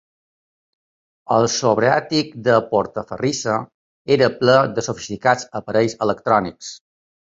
El sobreàtic de Portaferrissa era ple de sofisticats aparells electrònics.